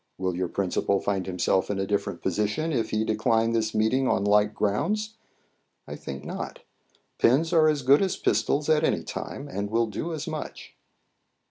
Will your principal find himself in a different position if he decline this meeting on like grounds? I think not. Pens are as good as pistols at any time, and will do as much."